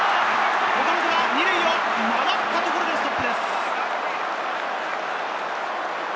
岡本は２塁を回ったところでストップです。